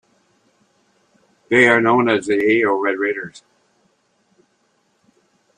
They are known as the Ajo Red Raiders.